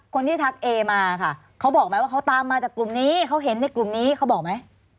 คนที่ทักเอมาค่ะเขาบอกไหมว่าเขาตามมาจากกลุ่มนี้เขาเห็นในกลุ่มนี้เขาบอกไหม